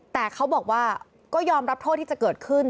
แต่เขาบอกว่าก็ยอมรับโทษที่จะเกิดขึ้น